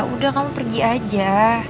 udah kamu pergi aja